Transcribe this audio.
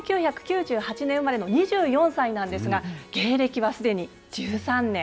１９９８年生まれの２４歳なんですが、芸歴はすでに１３年。